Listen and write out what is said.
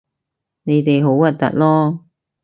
你哋好核突囉